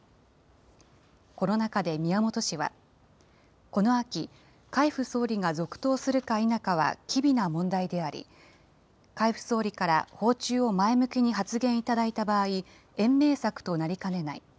この中で宮本氏は、この秋、海部総理が続投するか否かは機微な問題であり、海部総理から訪中を前向きに発言いただいた場合、延命策となりかねない。